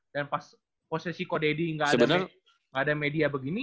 dan pas posisi kok deddy gak ada media begini